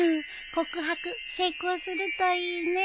告白成功するといいね。